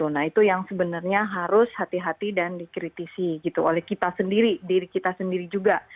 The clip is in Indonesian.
nah itu yang sebenarnya harus hati hati dan dikritisi gitu oleh kita sendiri diri kita sendiri juga